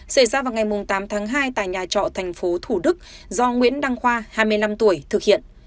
xảy ra vào ngày tám tháng hai tại nhà trọ tp thủ đức do nguyễn đăng khoa hai mươi năm tuổi thực hiện